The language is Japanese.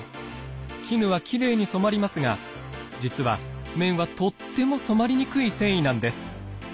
絹はきれいに染まりますが実は綿はとっても染まりにくい繊維なんです。